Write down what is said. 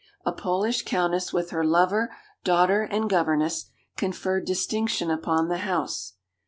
A Polish countess, with her lover, daughter, and governess, conferred distinction upon the house.